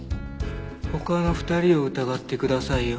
他の２人を疑ってくださいよ。